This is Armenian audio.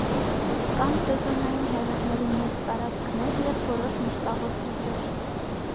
Կան սեզոնային հեղեղների մեծ տարածքներ և որոշ մշտահոս լճեր։